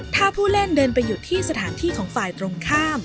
ถ้าผู้เล่นเดินไปอยู่ที่สถานที่ของฝ่ายตรงข้าม